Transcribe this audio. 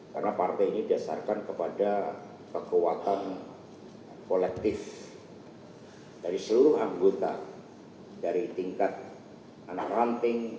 karena partai ini didasarkan kepada kekuatan kolektif dari seluruh anggota dari tingkat anak ranting